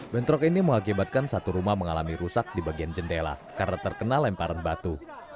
bentrok ini mengakibatkan satu rumah mengalami rusak di bagian jendela karena terkena lemparan batu